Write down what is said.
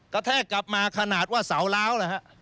กระแทกกลับมาขนาดว่าเสาล้าว